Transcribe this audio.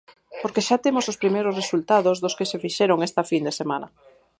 Porque xa temos os primeiros resultados dos que se fixeron esta fin de semana.